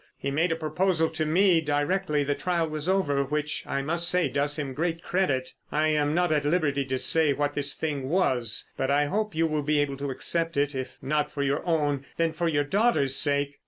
He made a proposal to me directly the trial was over which I must say does him great credit. I am not at liberty to say what this thing was, but I hope you will be able to accept it—if not for your own, then for your daughter's sake.